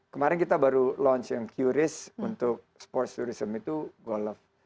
kemarin kita baru launching qris untuk sports tourism itu golf